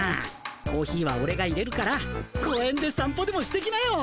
コーヒーはオレがいれるから公園でさん歩でもしてきなよ。